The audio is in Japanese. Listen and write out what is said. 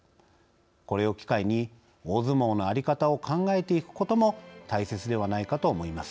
これを機会に大相撲の在り方を考えていくことも大切ではないかと思います。